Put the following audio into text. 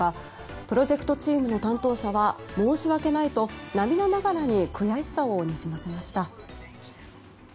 プロジェクトチームの担当者は申し訳ないと涙ながらに悔しさをにじませました。